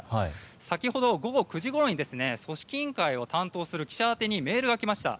先ほど、午後９時ごろに組織委員会を担当する記者宛てにメールが来ました。